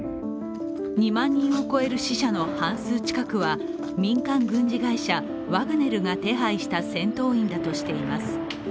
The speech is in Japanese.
２万人を超える死者の半数近くは民間軍事会社、ワグネルが手配した戦闘員だとしています。